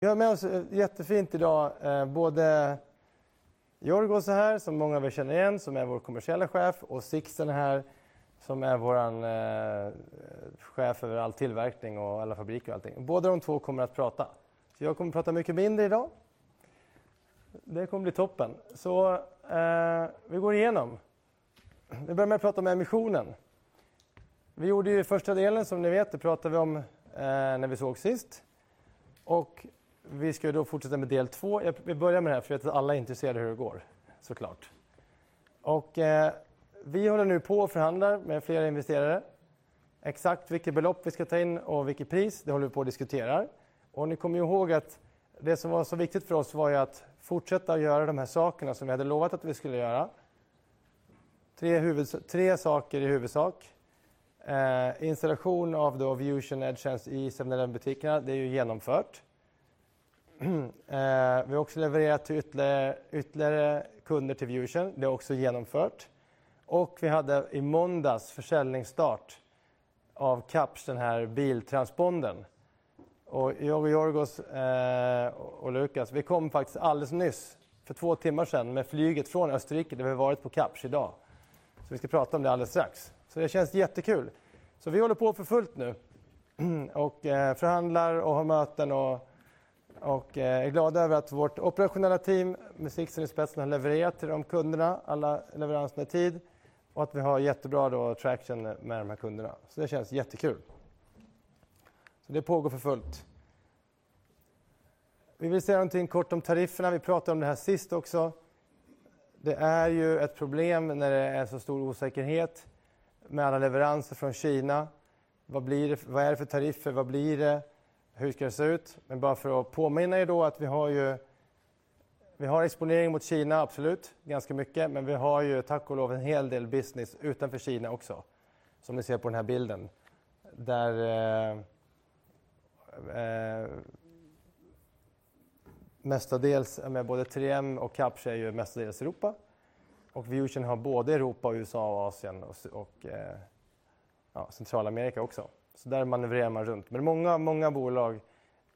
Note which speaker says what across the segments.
Speaker 1: Jag har med oss jättefint idag, både Jorgo här, som många av er känner igen, som är vår Kommersiella Chef, och Sixten här, som är vår Chef över all tillverkning och alla fabriker och allting. Båda de två kommer att prata, så jag kommer prata mycket mindre idag. Det kommer bli toppen, så vi går igenom. Vi börjar med att prata om emissionen. Vi gjorde ju första delen, som ni vet, det pratade vi om när vi sågs sist, och vi ska ju då fortsätta med del två. Vi börjar med det här för jag vet att alla är intresserade av hur det går, såklart. Vi håller nu på och förhandlar med flera investerare. Exakt vilket belopp vi ska ta in och vilket pris, det håller vi på och diskuterar. Och ni kommer ju ihåg att det som var så viktigt för oss var ju att fortsätta att göra de här sakerna som vi hade lovat att vi skulle göra. Tre huvud, tre saker i huvudsak: installation av då Vision Edge i 7-Eleven-butikerna, det är ju genomfört. Vi har också levererat till ytterligare, ytterligare kunder till Vision, det är också genomfört. Och vi hade i måndags försäljningsstart av Caps, den här biltransponden. Och jag och Jorgos, och Lukas, vi kom faktiskt alldeles nyss, för två timmar sedan, med flyget från Österrike. Det har vi varit på Caps idag, så vi ska prata om det alldeles strax. Det känns jättekul, så vi håller på för fullt nu och förhandlar och har möten och är glada över att vårt operationella team med Sixten i spetsen har levererat till de kunderna, alla leveranserna i tid, och att vi har jättebra traction med de här kunderna. Det känns jättekul, så det pågår för fullt. Vi vill säga något kort om tarifferna. Vi pratade om det här sist också. Det är ju ett problem när det är så stor osäkerhet med alla leveranser från Kina. Vad blir det? Vad är det för tariffer? Vad blir det? Hur ska det se ut? Men bara för att påminna då att vi har ju, vi har exponering mot Kina, absolut, ganska mycket, men vi har ju, tack och lov, en hel del business utanför Kina också, som ni ser på den här bilden, där mestadels är med både 3M och Caps, är ju mestadels Europa, och Vision har både Europa och USA och Asien och, ja, Centralamerika också. Så där manövrerar man runt. Men många, många bolag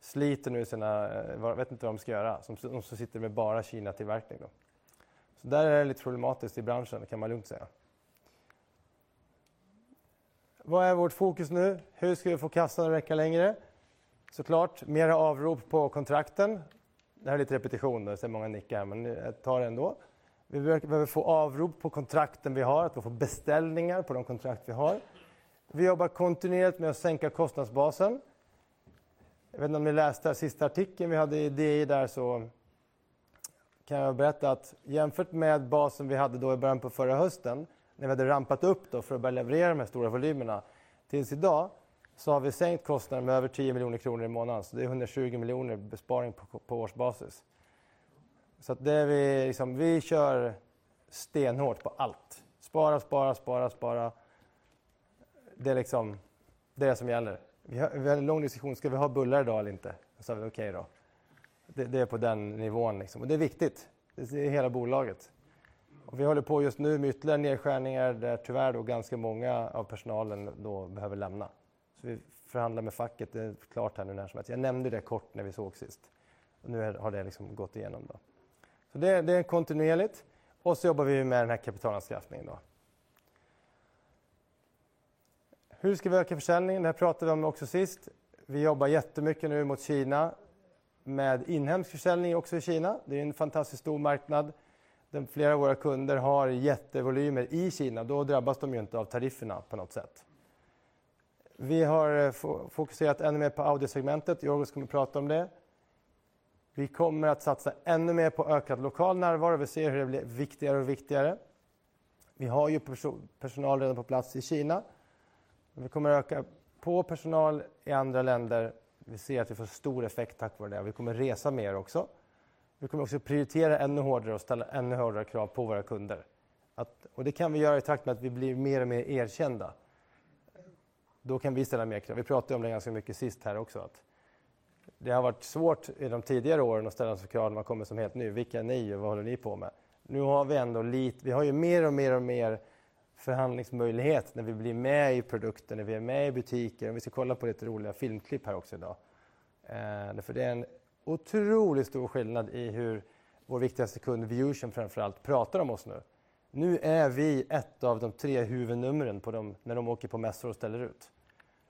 Speaker 1: sliter nu i sina, vet inte vad de ska göra, som de som sitter med bara Kina-tillverkning då. Så där är det lite problematiskt i branschen, det kan man lugnt säga. Vad är vårt fokus nu? Hur ska vi få kassan att räcka längre? Såklart, mera avrop på kontrakten. Det här är lite repetition, det ser många nickar här, men jag tar det ändå. Vi behöver få avrop på kontrakten vi har, att vi får beställningar på de kontrakt vi har. Vi jobbar kontinuerligt med att sänka kostnadsbasen. Jag vet inte om ni läste sista artikeln vi hade i DI där, så kan jag berätta att jämfört med basen vi hade då i början på förra hösten, när vi hade rampat upp då för att börja leverera de här stora volymerna till idag, så har vi sänkt kostnaden med över 10 miljoner kronor i månaden. Det är 120 miljoner besparing på årsbasis. Vi kör stenhårt på allt. Spara, spara, spara, spara. Det är det som gäller. Vi har en lång diskussion: ska vi ha bullar idag eller inte? Det är på den nivån, och det är viktigt. Det är hela bolaget. Och vi håller på just nu med ytterligare nedskärningar, där tyvärr då ganska många av personalen då behöver lämna. Vi förhandlar med facket, det är klart här nu när som helst. Jag nämnde det kort när vi sågs sist, och nu har det gått igenom då. Det är kontinuerligt, och vi jobbar ju med den här kapitalanskaffningen då. Hur ska vi öka försäljningen? Det här pratade vi om också sist. Vi jobbar jättemycket nu mot Kina med inhemsk försäljning också i Kina. Det är ju en fantastiskt stor marknad. Flera av våra kunder har jättevolymer i Kina, då drabbas de ju inte av tarifferna på något sätt. Vi har fokuserat ännu mer på audiosegmentet. Jorgos kommer prata om det. Vi kommer att satsa ännu mer på ökad lokal närvaro. Vi ser hur det blir viktigare och viktigare. Vi har ju personal redan på plats i Kina. Vi kommer att öka på personal i andra länder. Vi ser att vi får stor effekt tack vare det. Vi kommer att resa mer också. Vi kommer också att prioritera ännu hårdare och ställa ännu hårdare krav på våra kunder. Det kan vi göra i takt med att vi blir mer och mer erkända. Då kan vi ställa mer krav. Vi pratade ju om det ganska mycket sist här också, att det har varit svårt i de tidigare åren att ställa så krav när man kommer som helt ny. Vilka är ni och vad håller ni på med? Nu har vi ändå lite, vi har ju mer och mer och mer förhandlingsmöjlighet när vi blir med i produkten, när vi är med i butiker. Vi ska kolla på lite roliga filmklipp här också idag. För det är en otroligt stor skillnad i hur vår viktigaste kund, Vision framförallt, pratar om oss nu. Nu är vi ett av de tre huvudnumren på dem när de åker på mässor och ställer ut.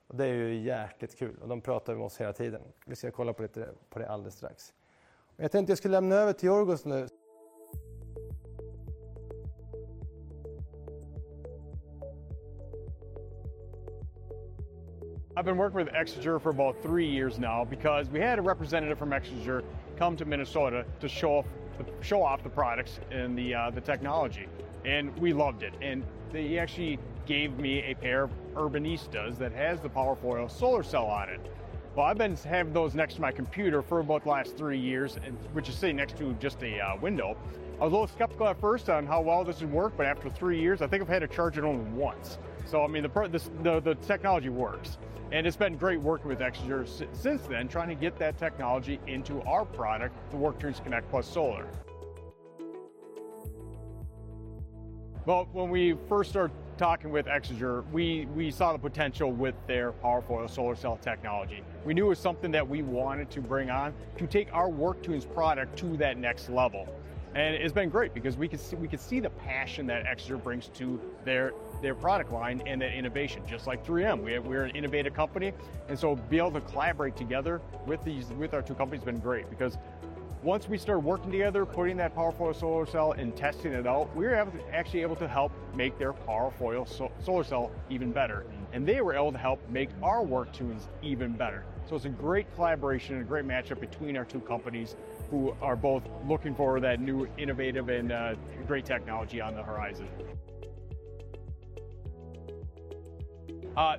Speaker 1: Det är ju jäkligt kul, och de pratar med oss hela tiden. Vi ska kolla på lite, på det alldeles strax. Jag tänkte att jag skulle lämna över till Jorgos nu. I've been working with Exeger for about three years now because we had a representative from Exeger come to Minnesota to show off the products and the technology, and we loved it. They actually gave me a pair of Urbanistas that has the Powerfoyle solar cell on it. I've been having those next to my computer for about the last three years, which is sitting next to just a window. I was a little skeptical at first on how well this would work, but after three years, I think I've had to charge it only once. The technology works, and it's been great working with Exeger since then, trying to get that technology into our product, the WorkTunes Connect Plus Solar. When we first started talking with Exager, we saw the potential with their Powerfoil solar cell technology. We knew it was something that we wanted to bring on to take our WorkTrans product to that next level. It's been great because we could see the passion that Exager brings to their product line and the innovation. Just like 3M, we're an innovative company, and so being able to collaborate together with our two companies has been great because once we start working together, putting that Powerfoil solar cell and testing it out, we're actually able to help make their Powerfoil solar cell even better. They were able to help make our WorkTrans even better. It's a great collaboration and a great matchup between our two companies who are both looking for that new innovative and great technology on the horizon.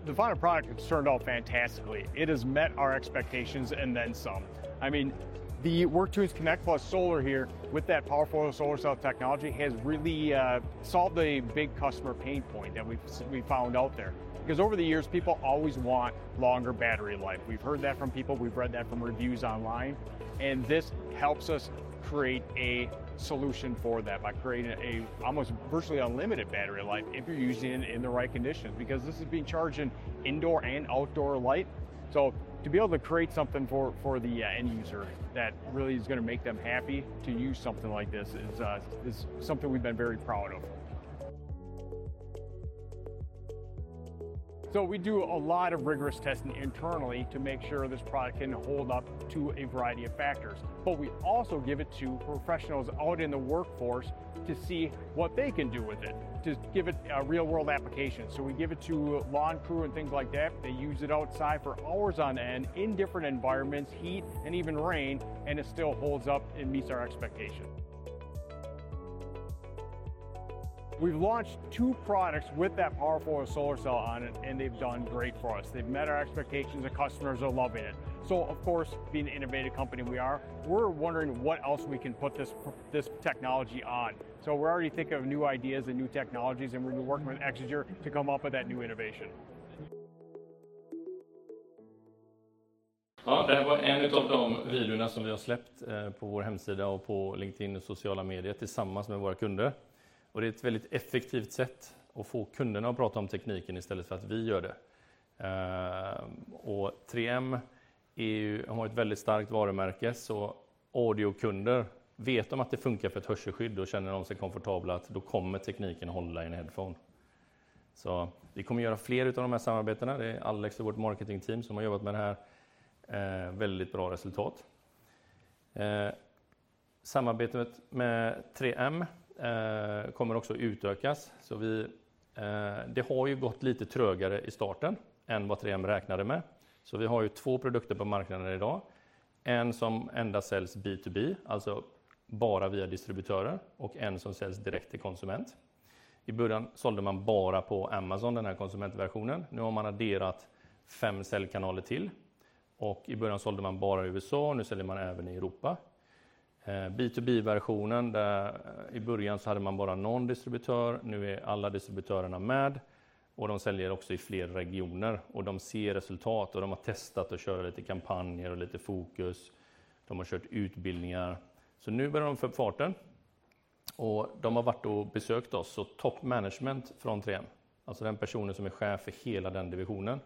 Speaker 1: The final product has turned out fantastically. It has met our expectations and then some. I mean, the WorkTrans Connect Plus Solar here with that Powerfoil solar cell technology has really solved a big customer pain point that we've found out there because over the years, people always want longer battery life. We've heard that from people, we've read that from reviews online, and this helps us create a solution for that by creating an almost virtually unlimited battery life if you're using it in the right conditions because this is being charged in indoor and outdoor light. To be able to create something for the end user that really is going to make them happy to use something like this is something we've been very proud of. We do a lot of rigorous testing internally to make sure this product can hold up to a variety of factors, but we also give it to professionals out in the workforce to see what they can do with it, to give it a real-world application. We give it to lawn crew and things like that. They use it outside for hours on end in different environments, heat and even rain, and it still holds up and meets our expectations. We've launched two products with that Powerfoil solar cell on it, and they've done great for us. They've met our expectations, and customers are loving it. Of course, being an innovative company we are, we're wondering what else we can put this technology on. We're already thinking of new ideas and new technologies, and we've been working with Exager to come up with that new innovation.
Speaker 2: Ja, det här var en av de videorna som vi har släppt på vår hemsida och på LinkedIn och sociala medier tillsammans med våra kunder. Det är ett väldigt effektivt sätt att få kunderna att prata om tekniken istället för att vi gör det. 3M är ju, har ett väldigt starkt varumärke, så audiokunder vet om att det funkar för ett hörselskydd och känner de sig komfortabla att då kommer tekniken hålla i en headphone. Vi kommer göra fler av de här samarbetena. Det är Alex och vårt marketingteam som har jobbat med det här, väldigt bra resultat. Samarbetet med 3M kommer också utökas, så vi, det har ju gått lite trögare i starten än vad 3M räknade med. Vi har ju två produkter på marknaden idag: en som endast säljs B2B, alltså bara via distributörer, och en som säljs direkt till konsument. I början sålde man bara på Amazon, den här konsumentversionen. Nu har man adderat fem säljkanaler till, och i början sålde man bara i USA, och nu säljer man även i Europa. B2B-versionen, där i början så hade man bara någon distributör, nu är alla distributörerna med, och de säljer också i fler regioner, och de ser resultat, och de har testat att köra lite kampanjer och lite fokus. De har kört utbildningar, så nu börjar de få farten, och de har varit och besökt oss, så toppmanagement från 3M, alltså den personen som är chef för hela den divisionen,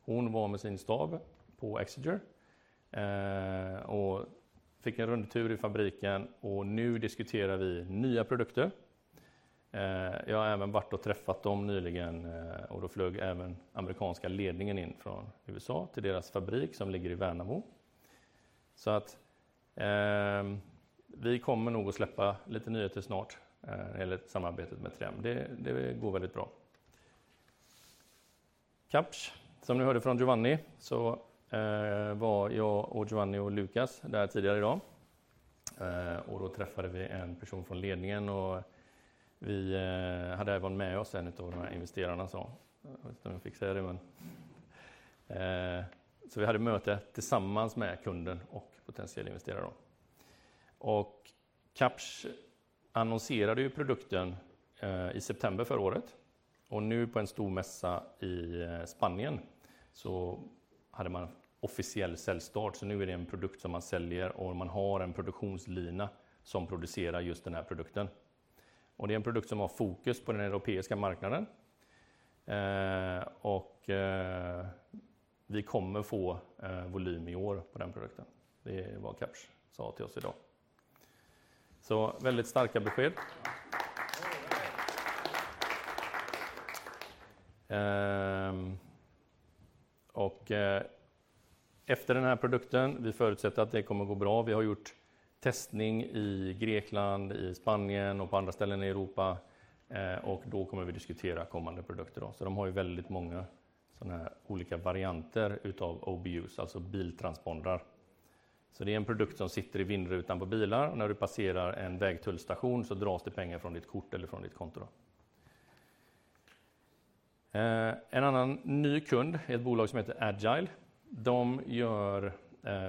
Speaker 2: hon var med sin stab på Exager, och fick en rundtur i fabriken, och nu diskuterar vi nya produkter. Jag har även varit och träffat dem nyligen, och då flög även amerikanska ledningen in från USA till deras fabrik som ligger i Värnamo. Vi kommer nog att släppa lite nyheter snart, eller samarbetet med 3M. Det går väldigt bra. Caps, som ni hörde från Giovanni, var jag och Giovanni och Lukas där tidigare idag, och då träffade vi en person från ledningen, och vi hade även med oss en av de här investerarna, så jag vet inte om jag fixar det, men vi hade möte tillsammans med kunden och potentiell investerare då. Caps annonserade ju produkten i september förra året, och nu på en stor mässa i Spanien så hade man officiell säljstart, så nu är det en produkt som man säljer, och man har en produktionslina som producerar just den här produkten, och det är en produkt som har fokus på den europeiska marknaden, och vi kommer få volym i år på den produkten. Det är vad Caps sa till oss idag, så väldigt starka besked, och efter den här produkten förutsätter vi att det kommer gå bra. Vi har gjort testning i Grekland, i Spanien och på andra ställen i Europa, och då kommer vi diskutera kommande produkter då, så de har ju väldigt många såna här olika varianter utav OBUs, alltså biltranspondrar. Det är en produkt som sitter i vindrutan på bilar, och när du passerar en vägtullstation så dras det pengar från ditt kort eller från ditt konto då. En annan ny kund är ett bolag som heter Agile. De gör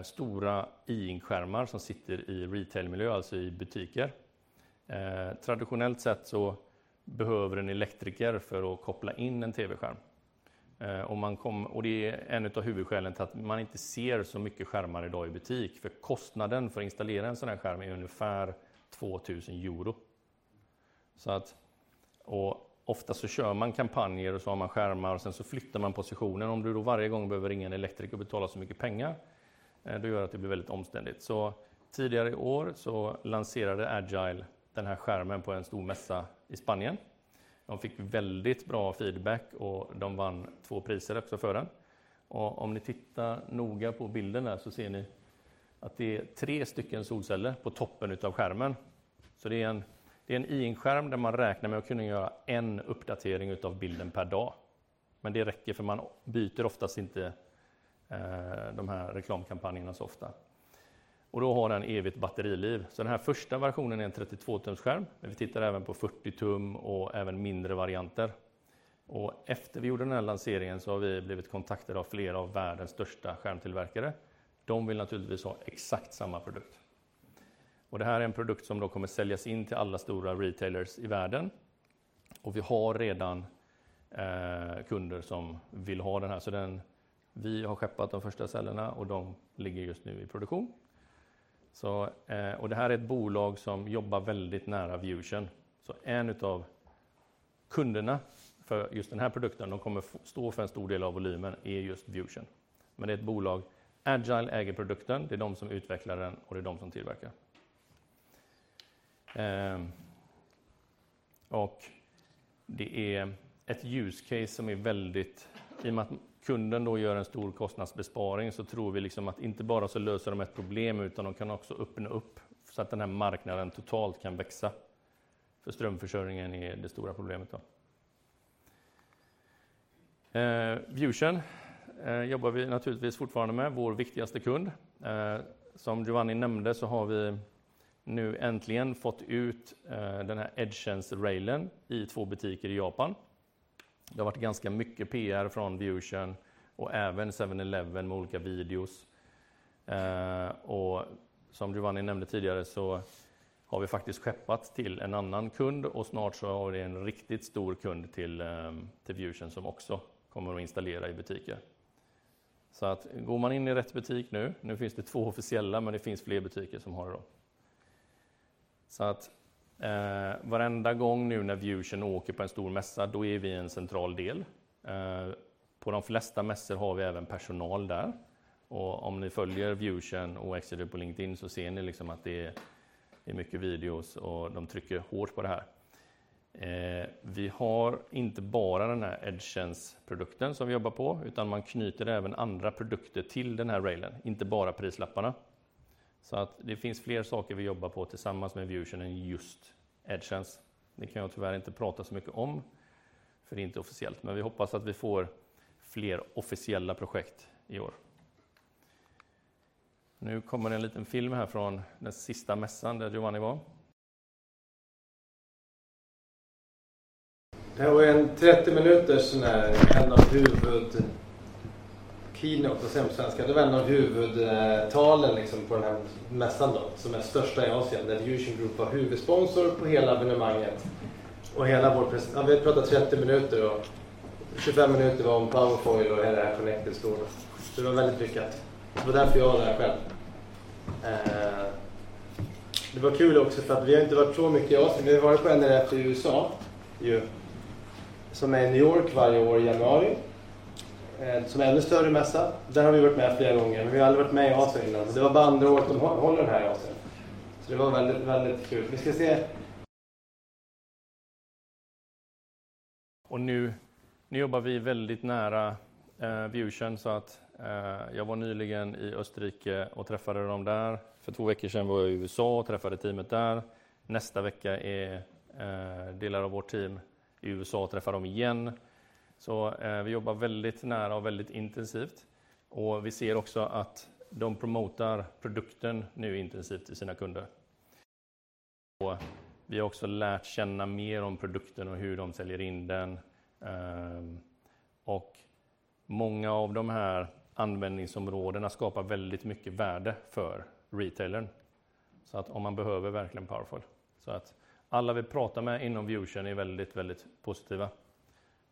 Speaker 2: stora i-skärmar som sitter i retailmiljö, alltså i butiker. Traditionellt sett så behöver en elektriker för att koppla in en TV-skärm, och man kommer, och det är en utav huvudskälen till att man inte ser så mycket skärmar idag i butik, för kostnaden för att installera en sådan här skärm är ungefär €2,000. Så att, och ofta så kör man kampanjer och så har man skärmar, och sen så flyttar man positionen. Om du då varje gång behöver ringa en elektriker och betala så mycket pengar, då gör att det blir väldigt omständigt. Så tidigare i år så lanserade Agile den här skärmen på en stor mässa i Spanien. De fick väldigt bra feedback, och de vann två priser också för den. Och om ni tittar noga på bilden där så ser ni att det är tre stycken solceller på toppen utav skärmen. Det är en i-skärm där man räknar med att kunna göra en uppdatering av bilden per dag, men det räcker, för man byter oftast inte de här reklamkampanjerna så ofta. Då har den evigt batteriliv. Den här första versionen är en 32-tumsskärm, men vi tittar även på 40-tum och även mindre varianter. Efter vi gjorde den här lanseringen har vi blivit kontaktade av flera av världens största skärmtillverkare. De vill naturligtvis ha exakt samma produkt, och det här är en produkt som kommer säljas in till alla stora retailers i världen, och vi har redan kunder som vill ha den här. Vi har skeppat de första cellerna, och de ligger just nu i produktion. Det här är ett bolag som jobbar väldigt nära Vision. En av kunderna för just den här produkten, de kommer stå för en stor del av volymen, är just Vision. Men det är ett bolag. Agile äger produkten, det är de som utvecklar den, och det är de som tillverkar. Och det är ett use case som är väldigt, i och med att kunden då gör en stor kostnadsbesparing, så tror vi att inte bara löser de ett problem, utan de kan också öppna upp så att den här marknaden totalt kan växa, för strömförsörjningen är det stora problemet då. Vision, jobbar vi naturligtvis fortfarande med vår viktigaste kund. Som Giovanni nämnde så har vi nu äntligen fått ut den här Edge Railen i två butiker i Japan. Det har varit ganska mycket PR från Vision och även 7-Eleven med olika videos. Och som Giovanni nämnde tidigare så har vi faktiskt skeppat till en annan kund, och snart så har vi en riktigt stor kund till, till Vision som också kommer att installera i butiker. Går man in i rätt butik nu, nu finns det två officiella, men det finns fler butiker som har det då. Varenda gång nu när Vision åker på en stor mässa, då är vi en central del. På de flesta mässor har vi även personal där, och om ni följer Vision och Exager på LinkedIn så ser ni att det är mycket videos och de trycker hårt på det här. Vi har inte bara den här Edge-produkten som vi jobbar på, utan man knyter även andra produkter till den här Railen, inte bara prislapparna. Det finns fler saker vi jobbar på tillsammans med Vision än just Edge. Det kan jag tyvärr inte prata så mycket om, för det är inte officiellt, men vi hoppas att vi får fler officiella projekt i år. Nu kommer en liten film här från den sista mässan där Giovanni var. Det här var ju en 30-minuters sådan här, en av huvud keynote på svenska, det var en av huvudtalen på den här mässan då, som är största i Asien, där Vision Group var huvudsponsor på hela evenemanget och hela vår. Ja, vi har pratat 30 minuter och 25 minuter var om Powerfoil och hela det här Connect-stora. Så det var väldigt lyckat. Det var därför jag var där själv. Det var kul också för att vi har inte varit så mycket i Asien. Vi har varit på en rätt i USA ju, som är i New York varje år i januari, som är ännu större mässa. Där har vi varit med flera gånger, men vi har aldrig varit med i Asien innan, så det var bara andra året de håller det här i Asien. Så det var väldigt, väldigt kul. Vi ska se. Nu jobbar vi väldigt nära Vision, så jag var nyligen i Österrike och träffade dem där. För två veckor sedan var jag i USA och träffade teamet där. Nästa vecka är delar av vårt team i USA och träffar dem igen. Vi jobbar väldigt nära och väldigt intensivt, och vi ser också att de promotar produkten nu intensivt till sina kunder. Vi har också lärt känna mer om produkten och hur de säljer in den. Många av de här användningsområdena skapar väldigt mycket värde för retailern, så om man behöver verkligen Powerfoil. Så att alla vi pratar med inom Vision är väldigt, väldigt positiva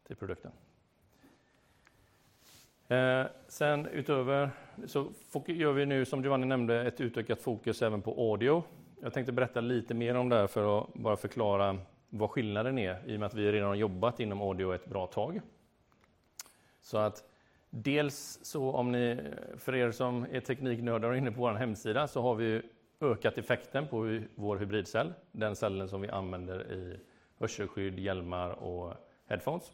Speaker 2: till produkten. Sen utöver så gör vi nu, som Giovanni nämnde, ett utökat fokus även på audio. Jag tänkte berätta lite mer om det här för att bara förklara vad skillnaden är, i och med att vi redan har jobbat inom audio ett bra tag. Dels så, om ni, för som är tekniknördar och inne på vår hemsida, så har vi ju ökat effekten på vår hybridcell, den cellen som vi använder i hörselskydd, hjälmar och headphones.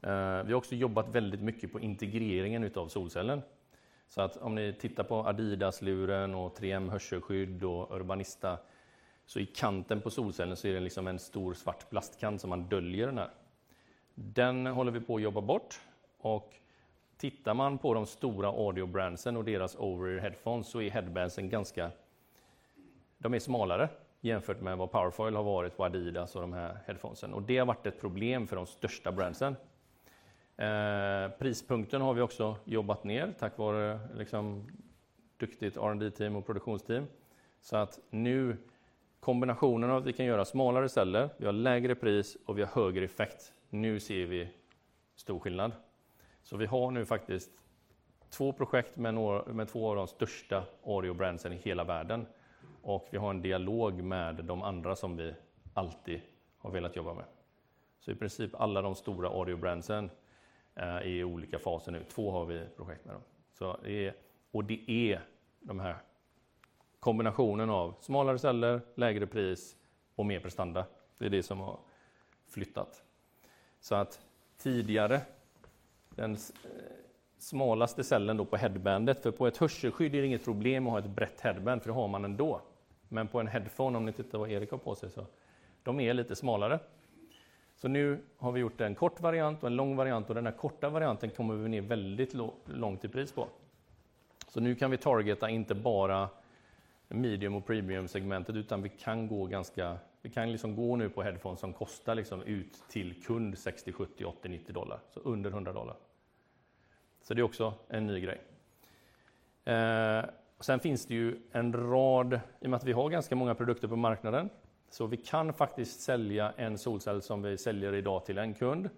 Speaker 2: Vi har också jobbat väldigt mycket på integreringen av solcellen, så att om ni tittar på Adidas-luren och 3M-hörselskydd och Urbanista, så i kanten på solcellen så är det liksom en stor svart plastkant som man döljer den här. Den håller vi på att jobba bort, och tittar man på de stora audio-brands och deras over-ear headphones, så är headbands ganska, de är smalare jämfört med vad Powerfoil har varit på Adidas och de här headphones, och det har varit ett problem för de största brands. Prispunkten har vi också jobbat ner tack vare duktigt R&D-team och produktionsteam, så att nu kombinationen av att vi kan göra smalare celler, vi har lägre pris och vi har högre effekt. Nu ser vi stor skillnad, så vi har nu faktiskt två projekt med två av de största audio-brands i hela världen, och vi har en dialog med de andra som vi alltid har velat jobba med. Så i princip alla de stora audio-brands är i olika faser nu. Två har vi projekt med dem, så det är, och det är de här kombinationen av smalare celler, lägre pris och mer prestanda. Det är det som har flyttat, så att tidigare den smalaste cellen då på headbandet, för på ett hörselskydd är det inget problem att ha ett brett headband, för det har man ändå. Men på en headphone, om ni tittar vad Erik har på sig, så de är lite smalare. Så nu har vi gjort en kort variant och en lång variant, och den här korta varianten kommer vi ner väldigt långt i pris på. Så nu kan vi targeta inte bara medium och premium-segmentet, utan vi kan gå ganska, vi kan liksom gå nu på headphones som kostar liksom ut till kund $60, $70, $80, $90, så under $100. Så det är också en ny grej. Sen finns det ju en rad, i och med att vi har ganska många produkter på marknaden, så vi kan faktiskt sälja en solcell som vi säljer idag till en kund,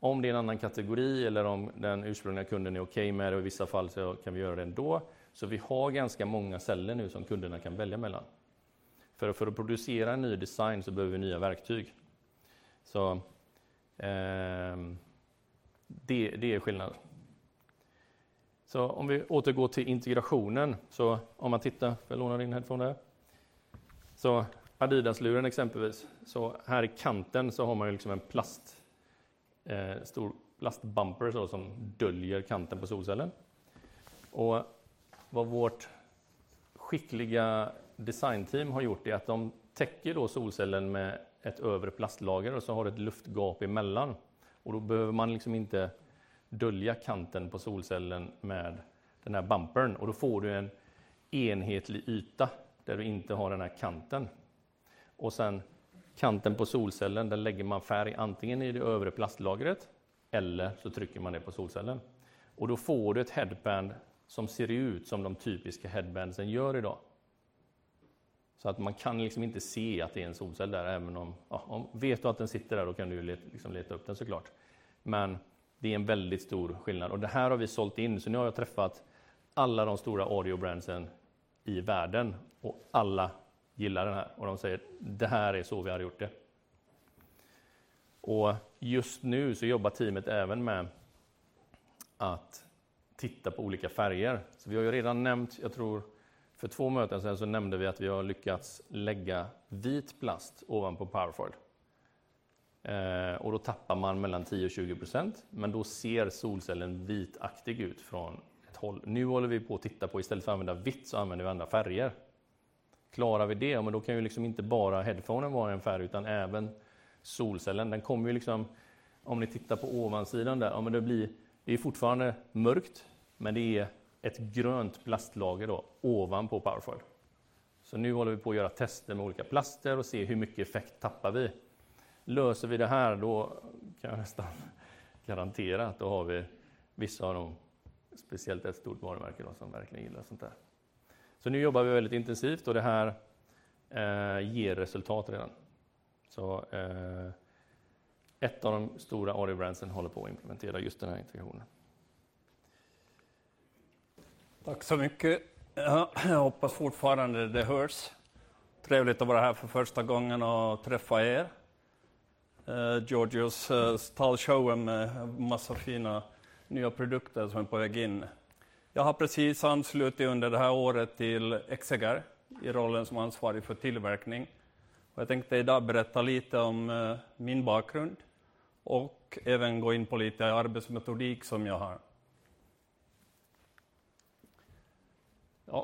Speaker 2: om det är en annan kategori eller om den ursprungliga kunden är okej med det. I vissa fall så kan vi göra det ändå, så vi har ganska många celler nu som kunderna kan välja mellan. För att producera en ny design så behöver vi nya verktyg, så det är skillnad. Om vi återgår till integrationen, så om man tittar, för jag lånar in headphone där, så Adidas-luren exempelvis, så här i kanten så har man ju liksom en plast, stor plastbumper som döljer kanten på solcellen. Och vad vårt skickliga designteam har gjort är att de täcker då solcellen med ett övre plastlager, och så har du ett luftgap emellan, och då behöver man liksom inte dölja kanten på solcellen med den här bumpern, och då får du en enhetlig yta där du inte har den här kanten. Och sen kanten på solcellen, den lägger man färg antingen i det övre plastlagret eller så trycker man det på solcellen, och då får du ett headband som ser ut som de typiska headbands gör idag, så att man kan inte se att det är en solcell där, även om, ja, om vet du att den sitter där, då kan du ju leta upp den såklart. Men det är en väldigt stor skillnad, och det här har vi sålt in, så nu har jag träffat alla de stora audio-brands i världen, och alla gillar den här, och de säger: "Det här är så vi hade gjort det." Just nu så jobbar teamet även med att titta på olika färger, så vi har ju redan nämnt, jag tror för två möten sen, så nämnde vi att vi har lyckats lägga vit plast ovanpå Powerfoil, och då tappar man mellan 10% och 20%, men då ser solcellen vitaktig ut från ett håll. Nu håller vi på och tittar på, istället för att använda vitt, så använder vi andra färger. Klarar vi det? Ja, men då kan ju liksom inte bara headphonen vara en färg, utan även solcellen. Den kommer ju liksom, om ni tittar på ovansidan där, ja, men det blir, det är ju fortfarande mörkt, men det är ett grönt plastlager då ovanpå Powerfoil. Så nu håller vi på att göra tester med olika plaster och se hur mycket effekt tappar vi. Löser vi det här, då kan jag nästan garantera att då har vi vissa av de, speciellt ett stort varumärke då, som verkligen gillar sånt här. Så nu jobbar vi väldigt intensivt, och det här ger resultat redan. Så ett av de stora audio-brands håller på att implementera just den här integrationen. Tack så mycket. Jag hoppas fortfarande det hörs. Trevligt att vara här för första gången och träffa Georgios tallshow med massa fina nya produkter som är på väg in. Jag har precis anslutit under det här året till Exeger i rollen som ansvarig för tillverkning, och jag tänkte idag berätta lite om min bakgrund och även gå in på lite arbetsmetodik som jag har.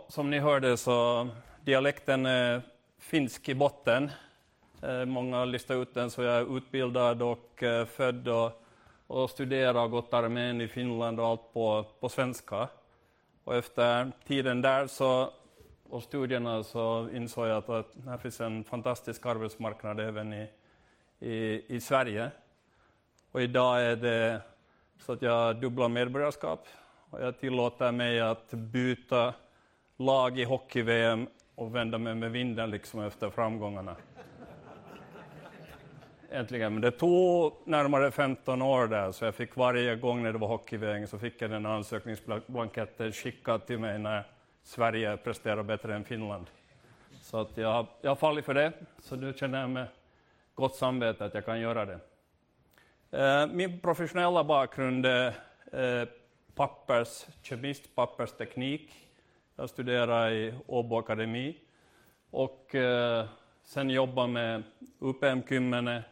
Speaker 2: Som ni hörde så är dialekten finsk i botten. Många lyfter ut den, så jag är utbildad och född och studerat och gått armén i Finland och allt på svenska. Efter tiden där och studierna så insåg jag att det här finns en fantastisk arbetsmarknad även i Sverige. Idag är det så att jag har dubbla medborgarskap, och jag tillåter mig att byta lag i hockey-VM och vända mig med vinden efter framgångarna egentligen. Men det tog närmare 15 år där, så jag fick varje gång när det var hockey-VM så fick jag den ansökningsblanketten skickad till mig när Sverige presterar bättre än Finland. Så att jag har, jag har fallit för det, så nu känner jag mig gott samvete att jag kan göra det. Min professionella bakgrund är papperskemist, pappersteknik. Jag studerade på Åbo Akademi och sen jobbade med UPM-Kymmene,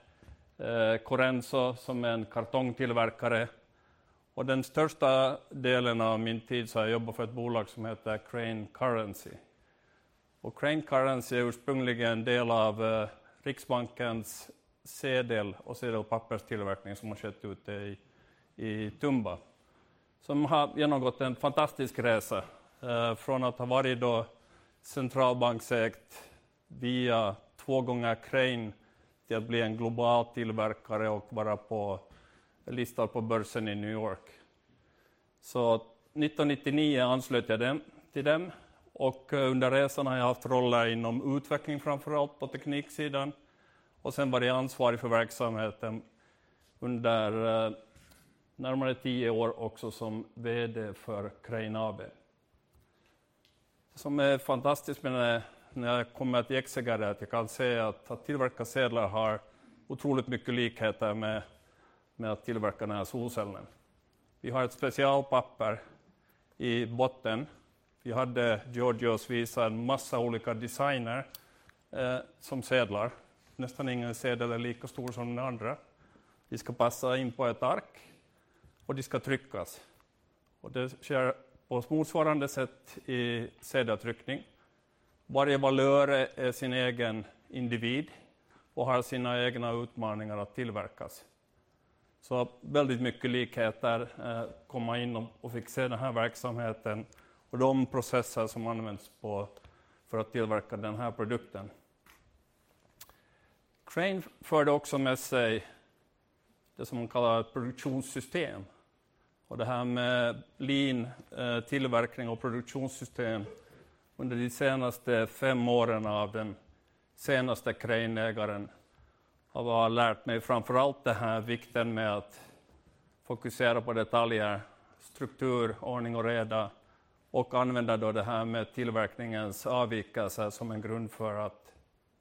Speaker 2: Corenso som är en kartongtillverkare. Den största delen av min tid så har jag jobbat för ett bolag som heter Crane Currency. Crane Currency är ursprungligen en del av Riksbankens sedel- och papperstillverkning som har skett ute i Tumba, som har genomgått en fantastisk resa från att ha varit centralbanksägt via två gånger Crane till att bli en global tillverkare och vara på listor på börsen i New York. 1999 anslöt jag mig till dem, och under resan har jag haft roller inom utveckling, framförallt på tekniksidan, och sen var jag ansvarig för verksamheten under närmare 10 år också som VD för Crane AB, vilket är fantastiskt. Men när jag kommer till Exeger är att jag kan se att tillverka sedlar har otroligt mycket likheter med att tillverka den här solcellen. Vi har ett specialpapper i botten. Vi hade Georgios visa en massa olika designer, som sedlar. Nästan ingen sedel är lika stor som den andra. De ska passa in på ett ark, och de ska tryckas, och det sker på motsvarande sätt i sedeltryckning. Varje valör är sin egen individ och har sina egna utmaningar att tillverkas. Väldigt mycket likheter att komma in och fixa den här verksamheten och de processer som används för att tillverka den här produkten. Crane förde också med sig det som man kallar ett produktionssystem, och det här med lean tillverkning och produktionssystem under de senaste fem åren av den senaste Crane-ägaren har lärt mig framförallt det här vikten med att fokusera på detaljer, struktur, ordning och reda, och använda då det här med tillverkningens avvikelser som en grund för att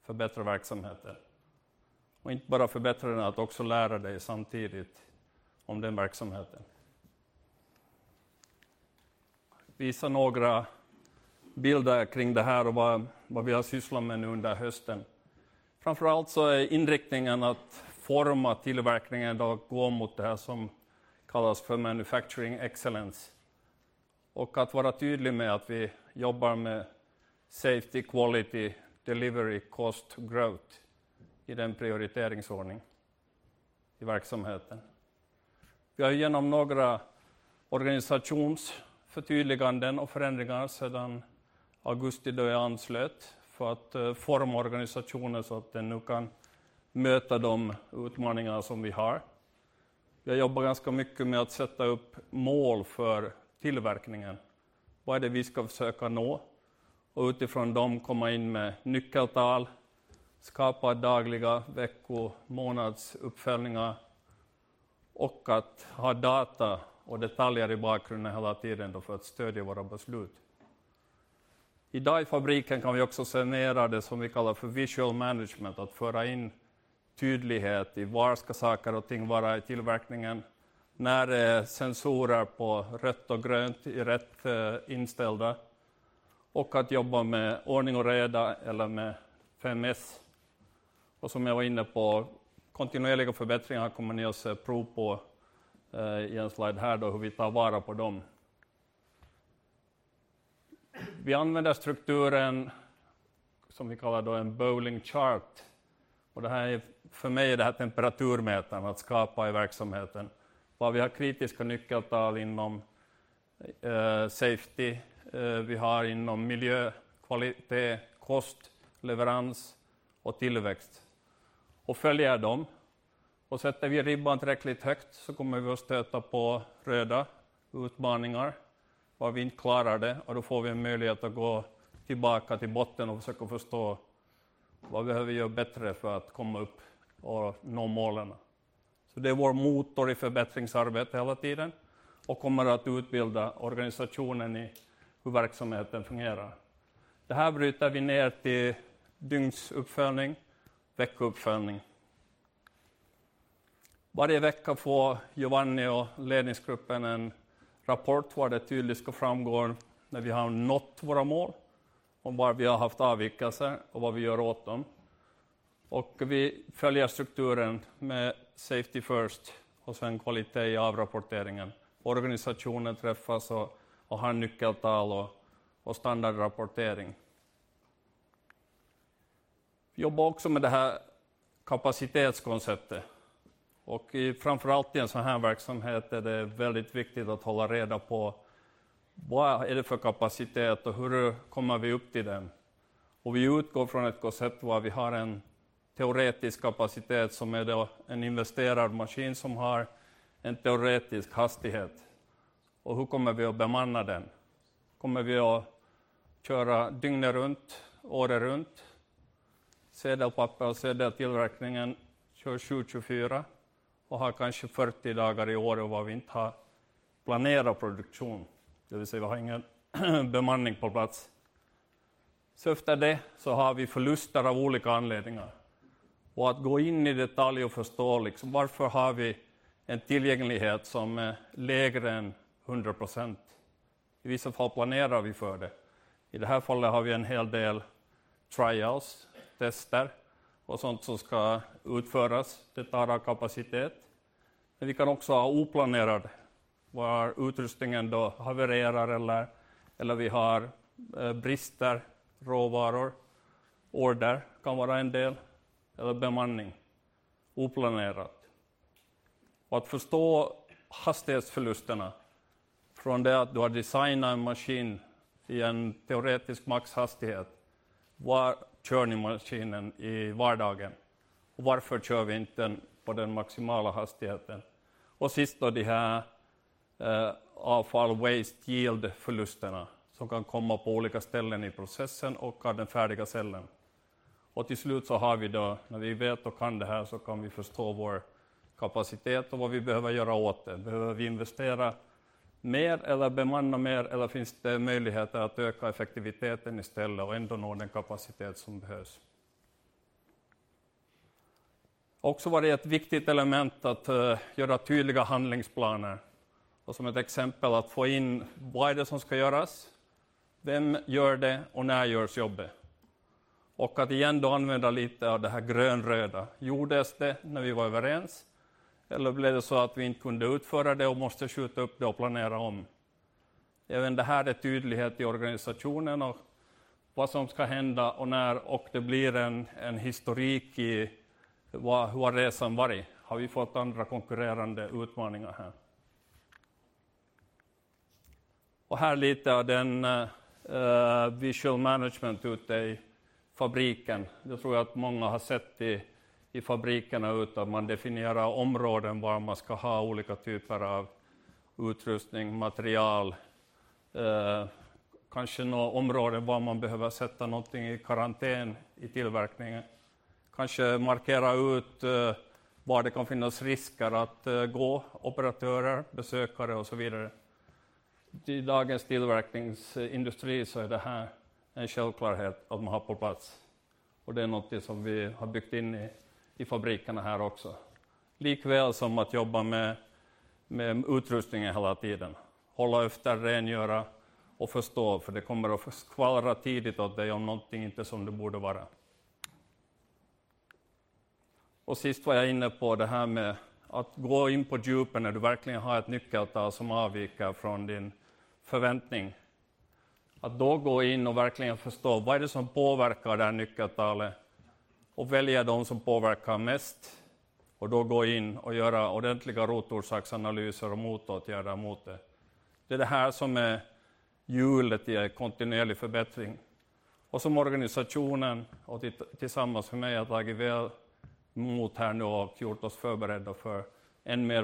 Speaker 2: förbättra verksamheten. Inte bara förbättra den, att också lära dig samtidigt om den verksamheten. Visa några bilder kring det här och vad vi har sysslat med nu under hösten. Framförallt så är inriktningen att forma tillverkningen och gå mot det här som kallas för manufacturing excellence, och att vara tydlig med att vi jobbar med safety, quality, delivery, cost, growth i den prioriteringsordning i verksamheten. Vi har genom några organisationsförtydliganden och förändringar sedan augusti då jag anslöt för att forma organisationer så att den nu kan möta de utmaningar som vi har. Vi har jobbat ganska mycket med att sätta upp mål för tillverkningen. Vad är det vi ska försöka nå? Utifrån de kommer vi in med nyckeltal, skapa dagliga vecko- och månadsuppföljningar och att ha data och detaljer i bakgrunden hela tiden för att stödja våra beslut. Idag i fabriken kan vi också se det som vi kallar för visual management, att föra in tydlighet i var ska saker och ting vara i tillverkningen, när är sensorer på rött och grönt rätt inställda, och att jobba med ordning och reda eller med 5S. Som jag var inne på, kontinuerliga förbättringar kommer ni att se prov på i en slide här hur vi tar vara på dem. Vi använder strukturen som vi kallar en bowling chart, och det här är för mig temperaturmätaren att skapa i verksamheten. Vad vi har kritiska nyckeltal inom safety, vi har inom miljökvalitet, kost, leverans och tillväxt, och följer dem. Sätter vi ribban tillräckligt högt så kommer vi att stöta på röda utmaningar, vad vi inte klarar det, och då får vi en möjlighet att gå tillbaka till botten och försöka förstå vad behöver vi göra bättre för att komma upp och nå målen. Det är vår motor i förbättringsarbete hela tiden och kommer att utbilda organisationen i hur verksamheten fungerar. Det här bryter vi ner till dygnsuppföljning, veckouppföljning. Varje vecka får Giovanni och ledningsgruppen en rapport var det tydligt ska framgå när vi har nått våra mål om var vi har haft avvikelser och vad vi gör åt dem. Vi följer strukturen med safety first och sen kvalitet i avrapporteringen. Organisationen träffas och har nyckeltal och standardrapportering. Vi jobbar också med det här kapacitetskonceptet, och framförallt i en sådan här verksamhet är det väldigt viktigt att hålla reda på vad det är för kapacitet och hur kommer vi upp till den. Vi utgår från ett koncept där vi har en teoretisk kapacitet som är då en investerad maskin som har en teoretisk hastighet. Hur kommer vi att bemanna den? Kommer vi att köra dygnet runt, året runt? Sedelpapper och sedeltillverkningen kör 2024 och har kanske 40 dagar på året där vi inte har planerat produktion, det vill säga vi har ingen bemanning på plats. Efter det så har vi förluster av olika anledningar och att gå in i detalj och förstå varför har vi en tillgänglighet som är lägre än 100%. I vissa fall planerar vi för det. I det här fallet har vi en hel del trials, tester och sånt som ska utföras. Det tar av kapacitet, men vi kan också ha oplanerad där utrustningen då havererar eller vi har brister på råvaror. Order kan vara en del eller bemanning oplanerat. Att förstå hastighetsförlusterna från det att du har designat en maskin i en teoretisk maxhastighet, var kör ni maskinen i vardagen och varför kör vi inte den på den maximala hastigheten? Sist då de här avfall waste yield-förlusterna som kan komma på olika ställen i processen och har den färdiga cellen. Till slut så har vi då, när vi vet och kan det här, så kan vi förstå vår kapacitet och vad vi behöver göra åt det. Behöver vi investera mer eller bemanna mer, eller finns det möjligheter att öka effektiviteten istället och ändå nå den kapacitet som behövs? Också var det ett viktigt element att göra tydliga handlingsplaner och som ett exempel att få in vad är det som ska göras, vem gör det och när görs jobbet. Att igen då använda lite av det här grönröda. Gjordes det när vi var överens eller blev det så att vi inte kunde utföra det och måste skjuta upp det och planera om? Även det här är tydlighet i organisationen och vad som ska hända och när, och det blir en historik i vad hur har resan varit? Har vi fått andra konkurrerande utmaningar här? Här lite av den visual management ute i fabriken. Det tror jag att många har sett i fabrikerna ute att man definierar områden var man ska ha olika typer av utrustning, material, kanske några områden var man behöver sätta någonting i karantän i tillverkningen, kanske markera ut var det kan finnas risker att gå för operatörer, besökare och så vidare. I dagens tillverkningsindustri så är det här en självklarhet att man har på plats, och det är någonting som vi har byggt in i fabrikerna här också, likväl som att jobba med utrustningen hela tiden, hålla efter, rengöra och förstå, för det kommer att kvala tidigt åt dig om någonting inte är som det borde vara. Och sist var jag inne på det här med att gå in på djupet när du verkligen har ett nyckeltal som avviker från din förväntning, att då gå in och verkligen förstå vad är det som påverkar det här nyckeltalet och välja de som påverkar mest, och då gå in och göra ordentliga rotorsaksanalyser och motåtgärder mot det. Det är det här som är hjulet i en kontinuerlig förbättring, och som organisationen och tillsammans för mig har tagit väl emot här nu och gjort oss förberedda för än mer.